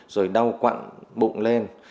rồi đau quặn bụng lên